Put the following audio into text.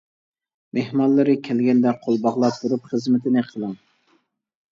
مېھمانلىرى كەلگەندە قول باغلاپ تۇرۇپ خىزمىتىنى قىلىڭ.